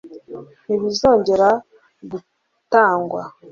ntibizongere gutangwa